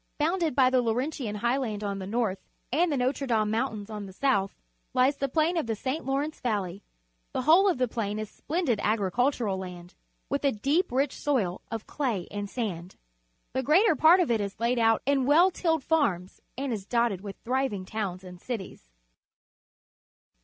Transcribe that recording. Bounded by the Laurentian Highland on the north and the Notre Dame Moun tains on the south, lies the plain of the St. Lawrence Valley. The whole of the plain is splendid agricultural land, with a deep. rich soil of clay and sand. The greater part of it is laid out in well tilled farms and is dotted with thriving towns and cities.